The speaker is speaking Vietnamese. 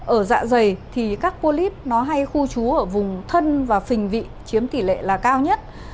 ở dạ dày thì các polip hay khu trú ở vùng thân và phình vị chiếm tỷ lệ là cao nhất